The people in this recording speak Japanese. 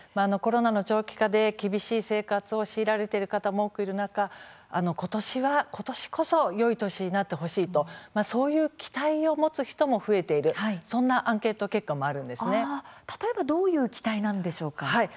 コロナの長期化で厳しい生活を強いられている方も多くいる中ことしこそよい年になってほしいとそういう期待を持つ人も増えている、そんなどういう期待でしょうか？